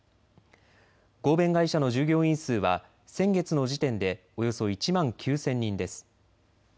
合弁会社の従業員数は先月の時点でおよそ１万９０００人です。